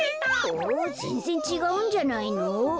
うん？ぜんぜんちがうんじゃないの？